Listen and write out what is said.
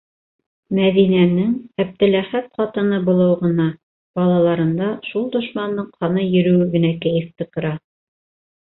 Мәҙинәнең Әптеләхәт ҡатыны булыуы ғына, балаларында шул дошмандың ҡаны йөрөүе генә кәйефте ҡыра.